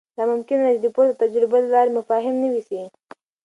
دا ممکنه ده چې د پورته تجربو له لارې مفاهیم نوي سي.